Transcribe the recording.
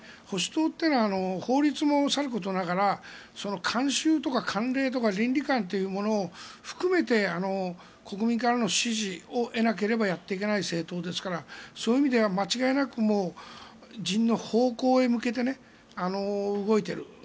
保守党っていうのは法律もさることながら慣習とか慣例とか倫理観というものを含めて国民からの支持を得なければやっていけない政党ですからそういう意味では間違いなく辞任の方向へ向けて動いている。